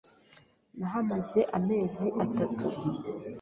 Nahamaze amezi atatu.